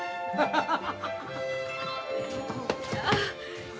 ハハハハ。